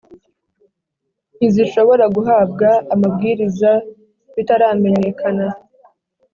Ntizishobora guhabwa amabwiriza bitaramenyekana